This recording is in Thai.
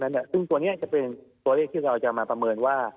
ซึ่งตัวนี้จะเป็นตัวเลขที่เราจะมาประเมินว่า